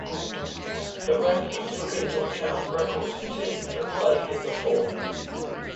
The ranking took into account records of teams that played in the fall.